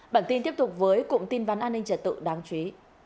bản tin tiếp tục với cụm tin vấn an ninh trật tự đáng chú ý